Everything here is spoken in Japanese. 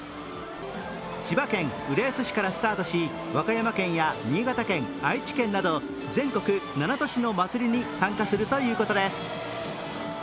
千葉県浦安市からスタートし、和歌山県や新潟県、愛知県など全国７都市の祭りに参加するということです。